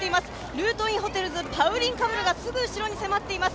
ルートインホテルズ、パウリン・カムルがすぐ後ろに迫っています。